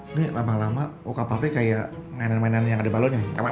ini lama lama wakap papi kayak mainan mainan yang ada balonnya nih